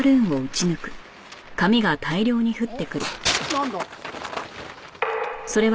なんだ？